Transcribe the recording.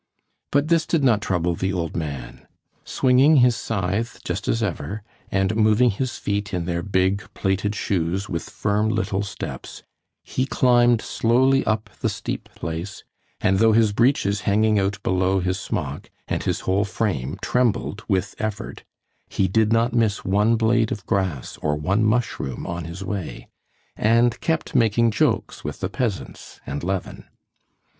But this did not trouble the old man. Swinging his scythe just as ever, and moving his feet in their big, plaited shoes with firm, little steps, he climbed slowly up the steep place, and though his breeches hanging out below his smock, and his whole frame trembled with effort, he did not miss one blade of grass or one mushroom on his way, and kept making jokes with the peasants and Levin.